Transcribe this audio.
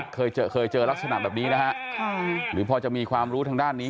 เคยเจอครับน่าหรือพอจะมีความรู้ทางด้านนี้